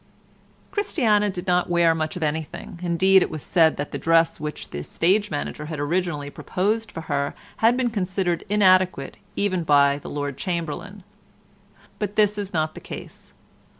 Christiana did not wear much of anything: indeed it was said that the dress which the Stage Manager had originally proposed for her had been considered inadequate even by the Lord Chamberlain, but this is not the case.